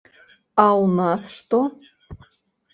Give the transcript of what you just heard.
А ў нас што?